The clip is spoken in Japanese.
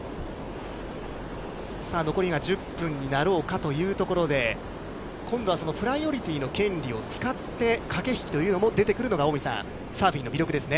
さあ残りが１０分になろうかというところで、今度はそのプライオリティーの権利を使って、駆け引きというのも出てくるのが、近江さん、サーフィンの魅力ですね。